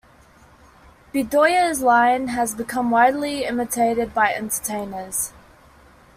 Bedoya's line has become widely imitated by entertainers.